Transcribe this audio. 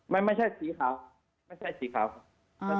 ไม่ใช่สีขาวไม่ใช่สีขาวครับ